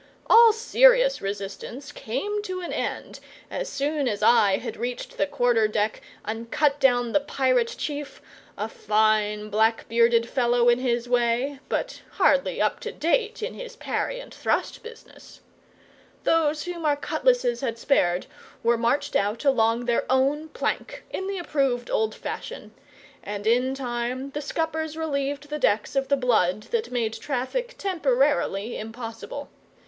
All serious resistance came to an end as soon as I had reached the quarter deck and cut down the pirate chief a fine black bearded fellow in his way, but hardly up to date in his parry and thrust business. Those whom our cutlasses had spared were marched out along their own plank, in the approved old fashion; and in time the scuppers relieved the decks of the blood that made traffic temporarily impossible.